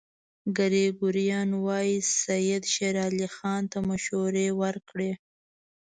ګریګوریان وايي سید شېر علي خان ته مشورې ورکړې.